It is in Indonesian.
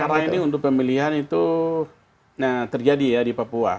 karena ini untuk pemilihan itu terjadi ya di papua